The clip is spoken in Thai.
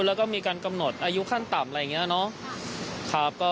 แล้วก็มีการกำหนดอายุขั้นต่ำอะไรอย่างนี้เนาะ